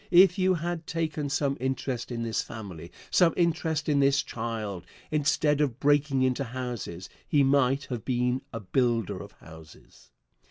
If you had taken some interest in this family some interest in this child instead of breaking into houses, he might have been a builder of houses.